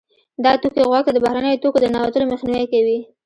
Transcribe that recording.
دا توکي غوږ ته د بهرنیو توکو د ننوتلو مخنیوی کوي.